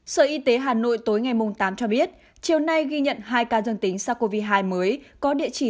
sở y tế hà nội tối ngày tám cho biết chiều nay ghi nhận hai ca dương tính sars cov hai mới có địa chỉ